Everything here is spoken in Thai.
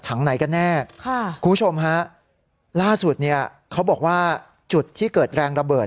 ไหนกันแน่คุณผู้ชมฮะล่าสุดเนี่ยเขาบอกว่าจุดที่เกิดแรงระเบิด